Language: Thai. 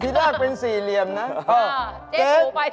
ที่ล่างเป็นสี่เหลี่ยมนะ